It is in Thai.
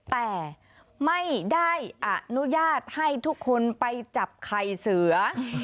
แต่ไม่ได้อนุญาตให้ทุกคนไปจับไข่เสือ